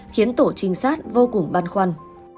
khiến tổ trinh sát vô cùng băn khoăn